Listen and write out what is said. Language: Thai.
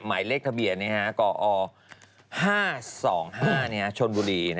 หมายเลขทะเบียนกอ๕๒๕ชนบุรี